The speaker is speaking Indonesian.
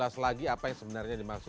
saya mau menjadi wapres